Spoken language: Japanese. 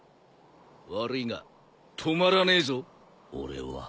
悪いが止まらねえぞ俺は。